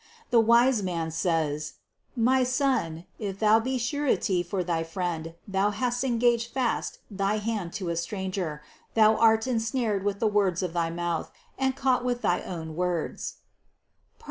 The wise man says : "My son, if thou be surety for thy friend, thou hast engaged fast thy hand to a stranger, thou art en snared with the words of thy mouth, and caught with thy own words" (Prov.